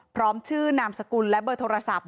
พร้อมชื่อนามสกุลและเบอร์โทรศัพท์